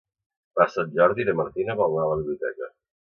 Per Sant Jordi na Martina vol anar a la biblioteca.